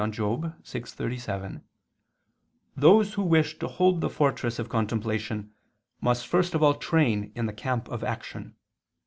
vi, 37): "Those who wish to hold the fortress of contemplation must first of all train in the camp of action.